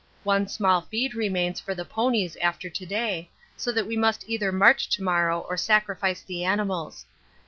One small feed remains for the ponies after to day, so that we must either march to morrow or sacrifice the animals.